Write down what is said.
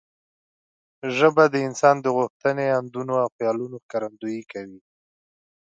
ژبه د انسان د غوښتنې، اندونه او خیالونو ښکارندويي کوي.